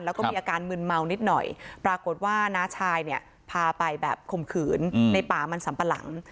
แล้วก็มีอาการมึนเมานิดหน่อยปรากฏว่าน้าชายเนี่ยพาไปแบบข่มขืนในป่ามันสัมปะหลัง